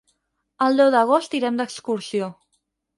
El deu d'agost irem d'excursió.